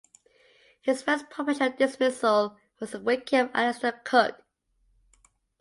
His first professional dismissal was the wicket of Alastair Cook.